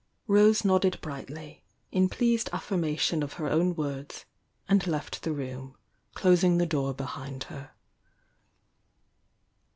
Rosf nodded brightly, in pleased affirmation of her vvn words, and left the room, closing the door btiiind her.